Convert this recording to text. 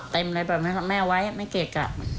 เต็มอะไรแม่ไว้แม่เกลียดกลับ